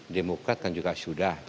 demokrat kan juga sudah